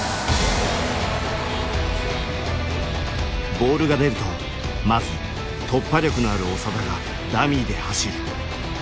ボールが出るとまず突破力のある長田がダミーで走る。